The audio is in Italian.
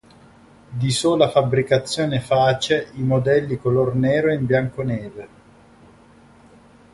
Di sola fabbricazione Face i modelli color nero e in bianco neve.